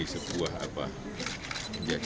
ini membutuhkan investasi yang besar